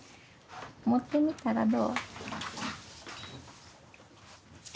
持ってみたらどう？